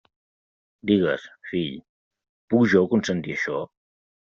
Digues, fill, puc jo consentir això?